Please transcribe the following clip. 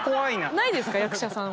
ないですか役者さんは。